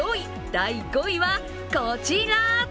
第５位はこちら。